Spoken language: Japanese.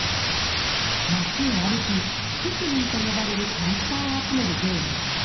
街を歩き、ピクミンと呼ばれるキャラクターを集めるゲームだ。